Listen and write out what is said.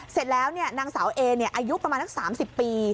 เสร็จแล้วเนี่ยนางสาวเอเนี่ยอายุประมาณ๓๐ปี